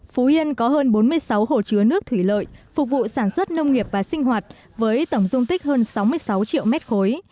phú yên có hơn bốn mươi sáu hồ chứa nước thủy lợi phục vụ sản xuất nông nghiệp và sinh hoạt với tổng dung tích hơn sáu mươi sáu triệu mét khối